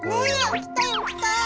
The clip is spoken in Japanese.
置きたい置きたい。